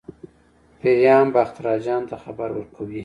پیریان باختر اجان ته خبر ورکوي.